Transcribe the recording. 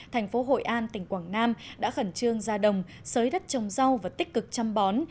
thành phố hội an tỉnh quảng nam đã khẩn trương ra đồng sới đất trồng rau và tích cực chăm bón